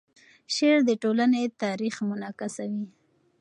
شعر د ټولنې تاریخ منعکسوي.